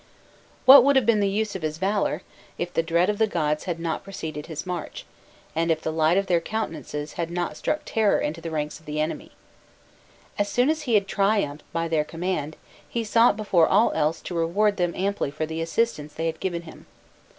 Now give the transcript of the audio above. What would have been the use of his valour, if the dread of the gods had not preceded his march, and if the light of their countenances had not struck terror into the ranks of the enemy? As soon as he had triumphed by their command, he sought before all else to reward them amply for the assistance they had given him.